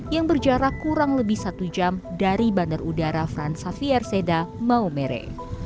yang berjarak kurang lebih satu jam dari bandar udara fransafier seda maumere